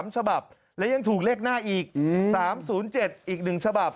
๓ฉบับและยังถูกเลขหน้าอีก๓๐๗อีก๑ฉบับ